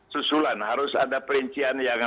susulan harus ada perincian yang